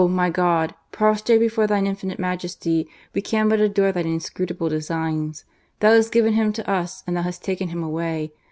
my God I prostrate before Thine infinite Majesty, we can but adore Thine inscrutable designs. Thou hast given him to us and Thou hast taken him away.